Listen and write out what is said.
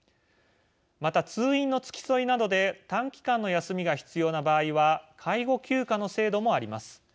また、通院の付き添いなどで短期間の休みが必要な場合は介護休暇の制度もあります。